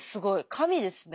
神ですね。